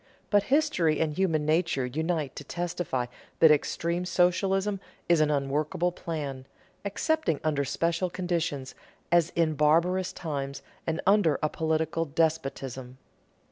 But history and human nature unite to testify that extreme socialism is an unworkable plan, excepting under special conditions, as in barbarous times and under a political despotism.